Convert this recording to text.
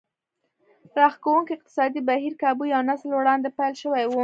راښکوونکی اقتصادي بهير کابو یو نسل وړاندې پیل شوی و